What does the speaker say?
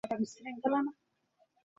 এর গ্রীষ্মকাল অত্যন্ত গরম এবং শুষ্ক।